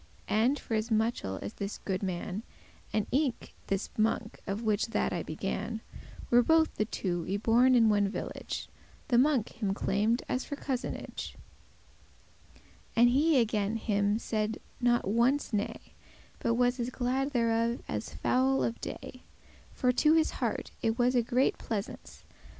And, for as muchel as this goode man, And eke this monk of which that I began, Were both the two y born in one village, The monk *him claimed, as for cousinage,* *claimed kindred And he again him said not once nay, with him* But was as glad thereof as fowl of day; "For to his heart it was a great pleasance.